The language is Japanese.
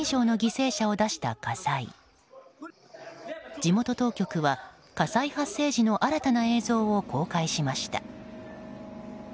地元当局は火災発生時の新たな映像を公開しました。